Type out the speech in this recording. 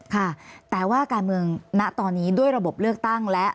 ค่ะแต่ว่าการเมืองณตอนนี้ด้วยระบบเลือกตั้งและ